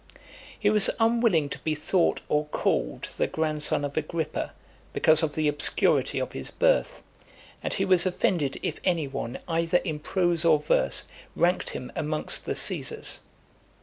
XXIII. He was unwilling to be thought or called the grandson of Agrippa, because of the obscurity of his birth; and he was offended if any one, either in prose or verse, ranked him amongst the Caesars.